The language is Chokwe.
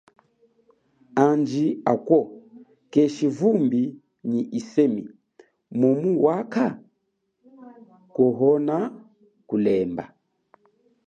Andji, ako keshi vumbi nyi yisemi mumu wa kha? kuhonakulemba.